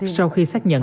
sau khi sát nhận